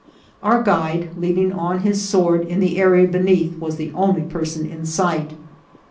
Our guide leaning on his sword in the area beneath was the only person in sight.